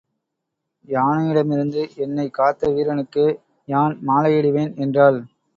யானையிடமிருந்து என்னைக் காத்த வீரனுக்கே யான் மாலையிடுவேன் என்றாள்.